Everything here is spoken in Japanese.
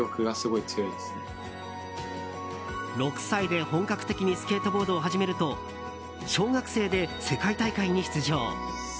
６歳で本格的にスケートボードを始めると小学生で世界大会に出場。